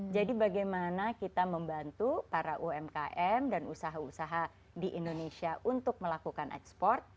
jadi bagaimana kita membantu para umkm dan usaha usaha di indonesia untuk melakukan export